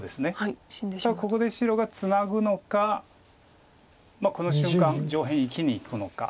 ただここで白がツナぐのかこの瞬間上辺生きにいくのか。